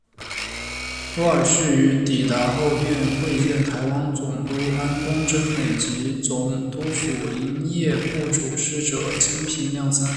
威尔荪于抵达后便会见台湾总督安东贞美及总督府林业部主事者金平亮三。